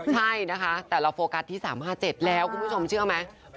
ใช่นะคะแต่เราโฟกัสที่๓๕๗แล้วคุณผู้ชมเชื่อไหม